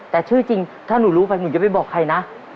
แต่ชื่อจริงถ้าหนูรู้ไปหนูจะไม่บอกใครนะ